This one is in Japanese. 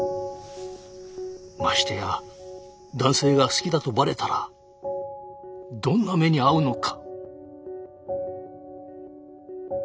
ましてや男性が好きだとバレたらどんな目に遭うのか。